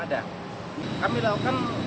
ada kami melakukan